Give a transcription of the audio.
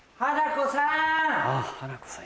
花子さん。